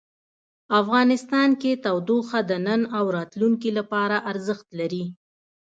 افغانستان کې تودوخه د نن او راتلونکي لپاره ارزښت لري.